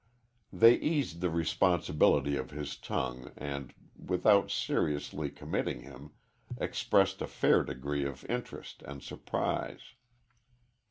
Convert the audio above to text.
They eased the responsibility of his tongue, and, without seriously committing him, expressed a fair degree of interest and surprise.